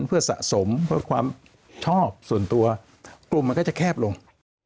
เพื่อสะสมเพื่อความชอบส่วนตัวกลุ่มมันก็จะแคบลง